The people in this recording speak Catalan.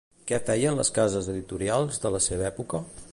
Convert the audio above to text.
Què feien les cases editorials de la seva època?